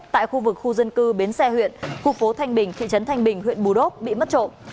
tại khu vực khu dân cư bến xe huyện khu phố thanh bình thị trấn thanh bình huyện bù đốc bị mất trộm